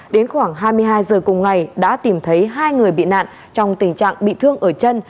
đến khoảng hai mươi hai giờ cùng ngày đã tìm thấy hai người bị nạn trong tình trạng bị thương ở chân